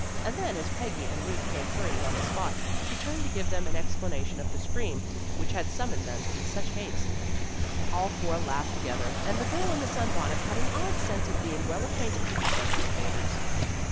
And then as Peggy and Ruth came hurrying to the spot, she turned to give them an explanation of the scream which had summoned them in such haste. All four laughed together, and the girl in the sunbonnet had an odd sense of being well acquainted with the friendly invaders.